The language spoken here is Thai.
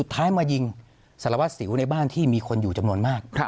ท้ายมายิงสารวัสสิวในบ้านที่มีคนอยู่จำนวนมาก